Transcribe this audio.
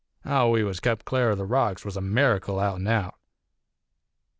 How we was kep' cl'ar of the rocks was a miracle, out an' out.